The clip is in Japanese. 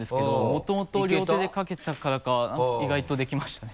もともと両手で書けたからか意外とできましたね。